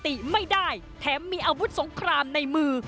ไม่ได้แถมมีอาวุธสงครามในมือ